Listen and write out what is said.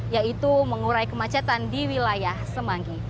yaitu mengurai kemacetan di wilayah semanggi